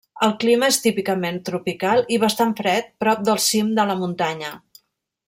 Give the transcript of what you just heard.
El clima és típicament tropical i bastant fred prop del cim de la muntanya.